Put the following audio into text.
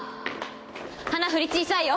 華振り小さいよ